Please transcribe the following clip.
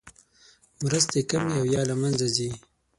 مرستې کمې او یا له مینځه ځي.